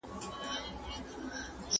مګر بیا هم د تیارو د سترګو خار یم